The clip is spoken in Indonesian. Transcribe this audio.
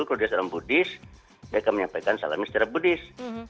kalau dia seorang buddhis mereka menyampaikan salamnya secara buddhis